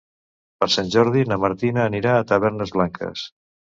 Per Sant Jordi na Martina anirà a Tavernes Blanques.